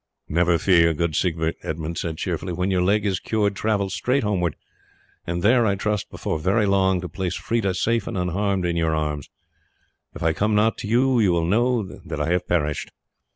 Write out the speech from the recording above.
"Never fear, good Siegbert," Edmund said cheerfully; "when your leg is cured travel straight homeward, and there, I trust, before very long to place Freda safe and unharmed in your arms. If I come not you will know that I have perished."